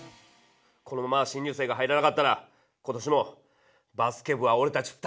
このまま新入生が入らなかったら今年もバスケ部はおれたち２人だけだ！